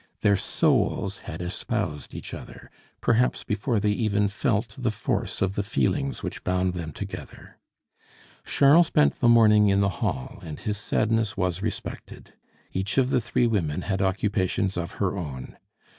Their souls had espoused each other, perhaps before they even felt the force of the feelings which bound them together. Charles spent the morning in the hall, and his sadness was respected. Each of the three women had occupations of her own.